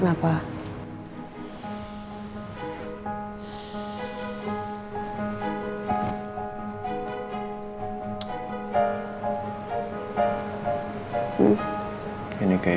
ini kayaknya saya mulai curiga lagi sama randy deh